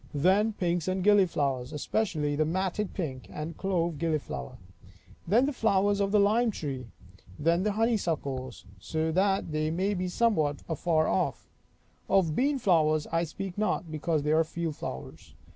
Then pinks and gilliflowers, especially the matted pink and clove gilliflower. Then the flowers of the lime tree. Then the honeysuckles, so they be somewhat afar off. Of beanflowers I speak not, because they are field flowers.